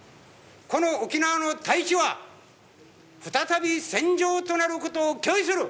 この沖縄の大地は再び戦場となることを拒否する。